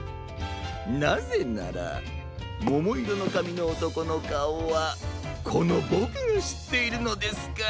なぜならももいろのかみのおとこのかおはこのボクがしっているのですから。